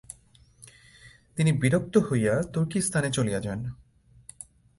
তিনি বিরক্ত হইয়া তুর্কীস্তানে চলিয়া যান।